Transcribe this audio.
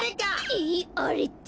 えっあれって？